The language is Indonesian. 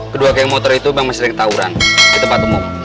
kedua geng motor itu memang masih sering tawuran di tempat umum